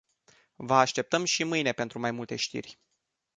Vă așteptăm și mâine pentru mai multe știri.